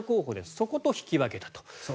そこと引き分けたと。